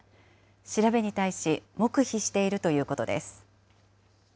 調べに対し、黙秘しているということです。